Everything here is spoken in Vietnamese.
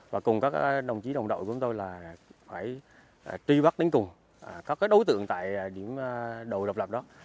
và cùng các đồng chí đồng đội chúng tôi là phải truy bắt đến cùng các đối tượng tại điểm đầu độc lập đó